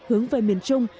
hướng về miền trung